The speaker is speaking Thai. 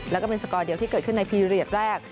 แล้วก็เป็นสกอร์เดียวที่เกิดขึ้นในพีเรียสแรก